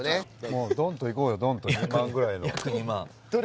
もうドンといこうよドンと２万ぐらいの約２万どれ？